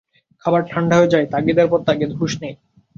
খাবার ঠাণ্ডা হয়ে যায়, তাগিদের পর তাগিদ, হুঁশ নেই।